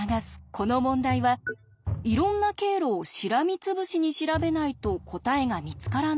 この問題はいろんな経路をしらみつぶしに調べないと答えが見つからないのか？